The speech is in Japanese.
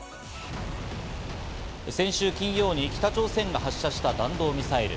先週金曜に北朝鮮が発射した弾道ミサイル。